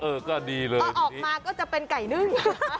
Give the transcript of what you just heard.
ออกมาก็จะเป็นไก่นึ่ง